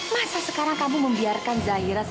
masa sekarang kamu membiarkan dia ke rumahnya